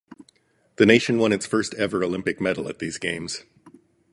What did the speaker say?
The nation won its first ever Olympic medal at these Games.